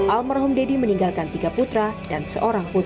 almarhum deddy meninggalkan tiga putra dan seorang putra